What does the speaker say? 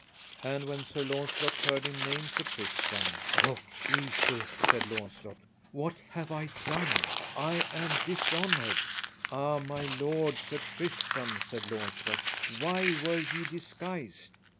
And when Sir Launcelot heard him name Sir Tristram: O Jesu, said Launcelot, what have I done? I am dishonoured. Ah, my lord Sir Tristram, said Launcelot, why were ye disguised?